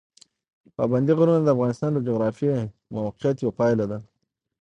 پابندي غرونه د افغانستان د جغرافیایي موقیعت یوه پایله ده.